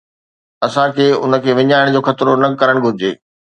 اسان کي ان کي وڃائڻ جو خطرو نه ڪرڻ گهرجي.